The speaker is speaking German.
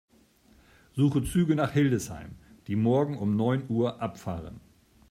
Suche Züge nach Hildesheim, die morgen um neun Uhr abfahren.